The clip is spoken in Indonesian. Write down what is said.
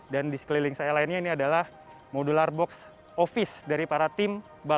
dan di sekeliling saya lainnya ini adalah modular box office dari para tim